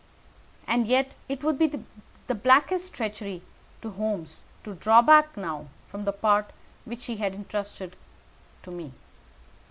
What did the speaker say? And yet it would be the blackest treachery to Holmes to draw back now from the part which he had intrusted to me.